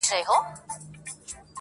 غټ منګول تېره مشوکه په کارېږي--!